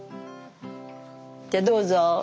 じゃどうぞ。